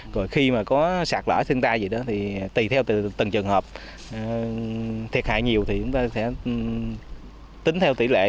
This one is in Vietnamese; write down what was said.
rồi khi mà có sạc lõi thiên tài gì đó thì tùy theo từng trường hợp thiệt hại nhiều thì chúng ta sẽ tính theo tỷ lệ